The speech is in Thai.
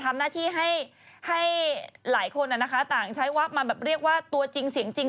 ทำหน้าที่ให้หลายคนต่างใช้วับมาแบบเรียกว่าตัวจริงเสียงจริง